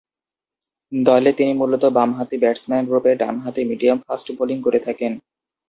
দলে তিনি মূলতঃ বামহাতি ব্যাটসম্যানরূপে ডানহাতি মিডিয়াম-ফাস্ট বোলিং করে থাকেন।